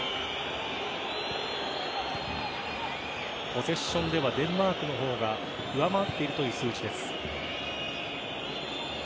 ポゼッションではデンマークの方が上回っているという数字です。